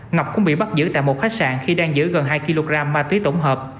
ngọc cũng bị bắt giữ tại một khách sạn khi đang giữ gần hai kg ma túy tổng hợp